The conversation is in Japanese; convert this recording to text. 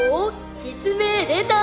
実名出た！